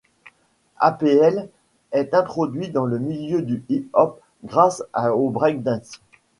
Apl est introduit dans le milieu du hip-hop grâce au break dance.